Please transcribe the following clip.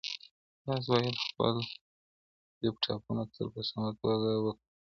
تاسو باید خپل لپټاپونه تل په سمه توګه وکاروئ.